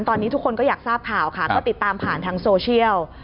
ตอนนี้ทุกคนก็อยากทราบข่าวค่ะก็ติดตามผ่านทางโซเชียล